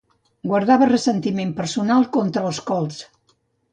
Guardava ressentiment personal contra els Colts.